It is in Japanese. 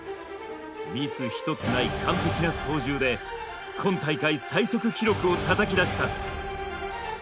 ミス一つない完璧な操縦で今大会最速記録をたたき出した。